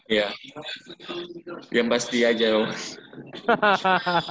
iya yang pasti aja dong